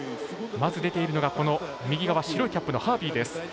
まず出ているのが、右側白いキャップのハービーです。